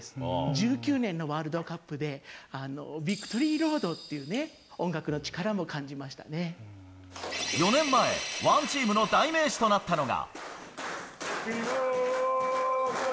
１９年のワールドカップで、ビクトリーロードっていうね、４年前、ＯＮＥＴＥＡＭの代名詞となったのが。